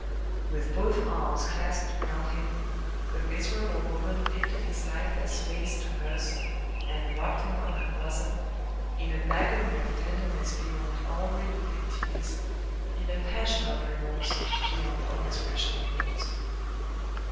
With both arms clasped round him, the miserable woman lifted his lifeless face to hers and rocked him on her bosom in an agony of tenderness beyond all relief in tears, in a passion of remorse beyond all expression in words.